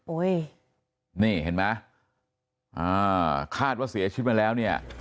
โอ้ยนี่เห็นมั้ยคาดว่าเสียชิ้นมาแล้ว